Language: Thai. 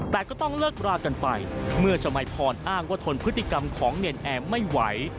แต่ก็ต้องเลิกรากันไปเมื่อชมัยพรอ้างว่าทนพฤติกรรมของเนรนแอร์ไม่ไหว